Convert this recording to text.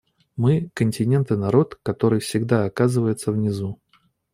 Мы — континент и народ, который всегда оказывается внизу.